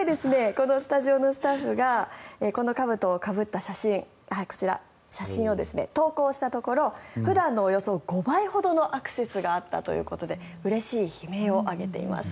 このスタジオのスタッフがこのかぶとをかぶった写真こちら、写真を投稿したところ普段のおよそ５倍ほどのアクセスがあったといことでうれしい悲鳴を上げています。